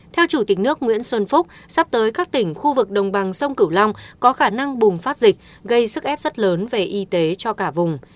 theo chủ tịch nước nguyễn xuân phúc sắp tới các tỉnh khu vực đồng bằng sông cửu long có khả năng bùng phát dịch gây sức ép rất lớn về y tế cho cả vùng